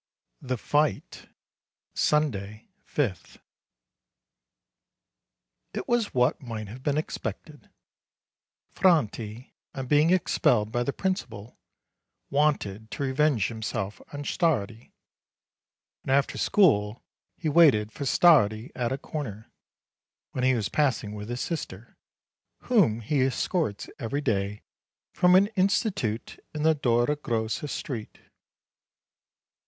THE FIGHT Sunday, 5th. It was what might have been expected. Franti, on being expelled by the principal, wanted to revenge him self on Stardi, and after school he waited for Stardi at a corner, when he was passing with his sister, whom 1 68 MARCH he escorts every day from an institute in the Dora Grossa street.